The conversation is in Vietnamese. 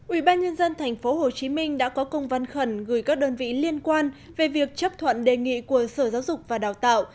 ủy ban nhân dân tp hcm đã có công văn khẩn gửi các đơn vị liên quan về việc chấp thuận đề nghị của sở giáo dục và đào tạo